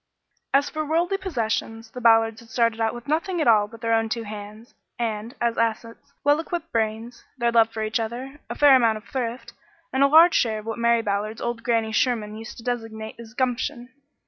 As for worldly possessions, the Ballards had started out with nothing at all but their own two hands, and, as assets, well equipped brains, their love for each other, a fair amount of thrift, and a large share of what Mary Ballard's old Grannie Sherman used to designate as "gumption."